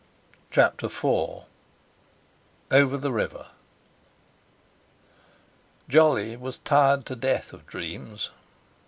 CHAPTER IV OVER THE RIVER Jolly was tired to death of dreams.